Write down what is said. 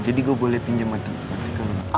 jadi gue boleh pinjam matematika rumah